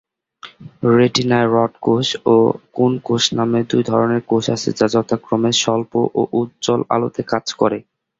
রেটিনায় rod কোষ ও কোন কোষ নামে দুই ধরনের কোষ আছে যা যথাক্রমে স্বল্প ও উজ্জ্বল আলোতে কাজ করে।